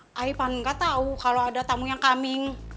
saya pun enggak tahu kalau ada tamu yang coming